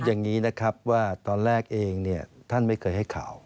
อย่างนี้นะครับว่าตอนแรกเองท่านไม่เคยให้ข่าว